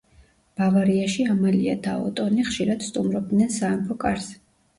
ბავარიაში ამალია და ოტონი ხშირად სტუმრობდნენ სამეფო კარს.